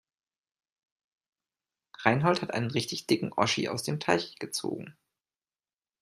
Reinhold hat einen richtig dicken Oschi aus dem Teich gezogen.